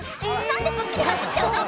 何でそっちに走っちゃうの？